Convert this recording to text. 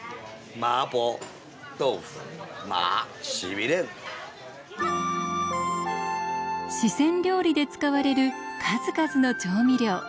これはもう四川料理で使われる数々の調味料。